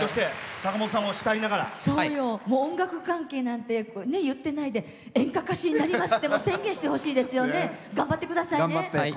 音楽関係なんて言ってないで「演歌歌手になります」って宣言してほしいですよね。